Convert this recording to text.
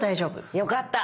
よかった。